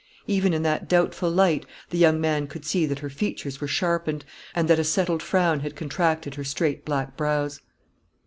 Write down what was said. Even in that doubtful light the young man could see that her features were sharpened, and that a settled frown had contracted her straight black brows.